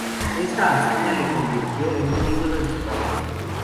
Esta hazaña le convirtió en un ídolo en su país.